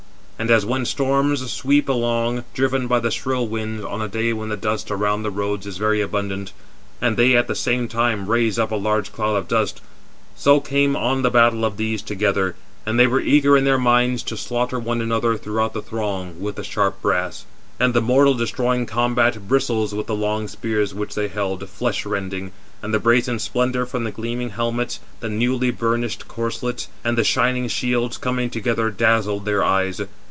And as when storms sweep along, [driven] by the shrill winds, on a day when the dust around the roads [is] very abundant, and they at the same time raise up a large cloud of dust; so came on the battle of these together, and they were eager in their minds to slaughter one another throughout the throng with the sharp brass. And the mortal destroying combat bristles with the long spears which they held, flesh rending; and the brazen splendour from the gleaming helmets, the newly burnished corslets, and the shining shields, coming together, dazzled their eyes.